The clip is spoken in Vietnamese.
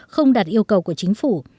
không đạt yêu cầu của chính phủ